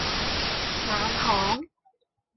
冷巷